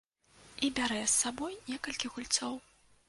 І бярэ з сабой некалькі гульцоў.